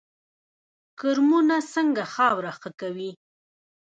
کرمونه څنګه خاوره ښه کوي؟